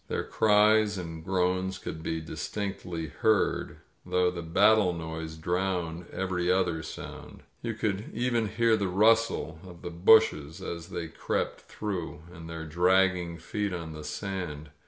Their cries and groans could be distinctly heard, though the battle noise S52 THE FALL OF GOMEZ PALACIO drowned every other sound — ^you could even hear the rustle of the bushes as they crept through, and their dragging feet on the sand.